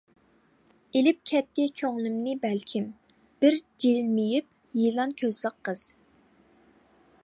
ئېلىپ كەتتى كۆڭلۈمنى بەلكىم، بىر جىلمىيىپ يىلان كۆزلۈك قىز.